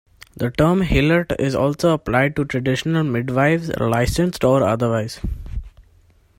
The term "hilot" is also applied to traditional midwives, licensed or otherwise.